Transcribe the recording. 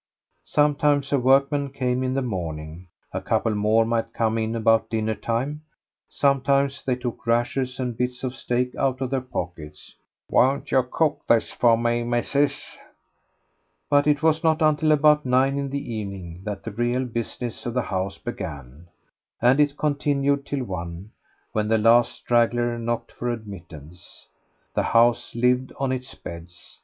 Sometimes a workman came in the morning; a couple more might come in about dinner time. Sometimes they took rashers and bits of steak out of their pockets. "Won't you cook this for me, missis?" But it was not until about nine in the evening that the real business of the house began, and it continued till one, when the last straggler knocked for admittance. The house lived on its beds.